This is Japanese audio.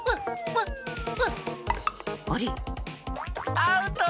アウト！